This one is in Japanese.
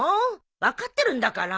分かってるんだから。